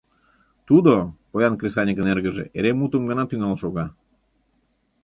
Тудо, поян кресаньыкын эргыже, эре мутым гына тӱҥал шога